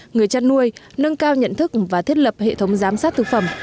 người chăn nuôi nâng cao nhận thức và thiết lập hệ thống giám sát thực phẩm